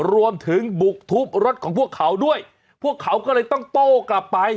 รวมถึงบุกทุบรถของพวกเขาด้วยพวกเขาก็เลยต้องโต้กลับไป